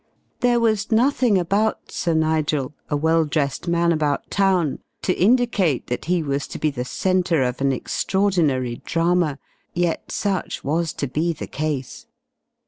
There was nothing about Sir Nigel, a well dressed man about town, to indicate that he was to be the centre of an extraordinary drama, yet such was to be the case.